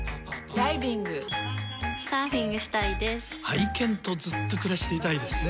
愛犬とずっと暮らしていたいですね。